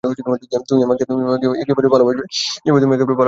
তুমি আমাকে একেবারেই ভালবাসবে যেভাবে তুমি একবার ভালবেসেছিলে একটা স্বপ্নে।